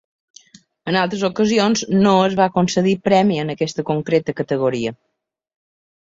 En altres ocasions no es va concedir premi en aquesta concreta categoria.